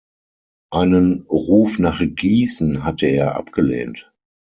Einen Ruf nach Gießen hatte er abgelehnt.